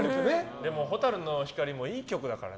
でも「蛍の光」もいい曲だからな。